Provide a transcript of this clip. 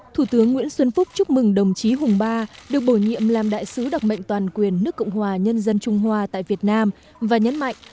thủ tướng nguyễn xuân phúc chúc mừng đồng chí hùng ba được bổ nhiệm làm đại sứ đặc mệnh toàn quyền nước cộng hòa nhân dân trung hoa tại việt nam và nhấn mạnh